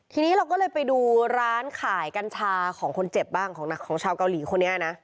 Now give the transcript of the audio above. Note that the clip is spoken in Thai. ทีนี้เราก็เลยไปดูร้านขายกัญชาของคนเจ็บบ้างของชาวเกาหลีคนนี้นะ